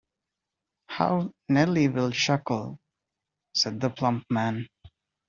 “How Nellie will chuckle,” said the plump man.